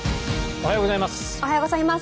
おはようございます。